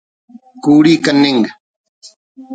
کوڑی کننگ